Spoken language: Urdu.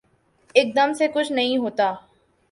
ایک دم سے کچھ نہیں ہوتا